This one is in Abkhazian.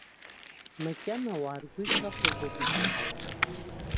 Макьана ауаа ргәы ишахәаз ауп исаҳауа.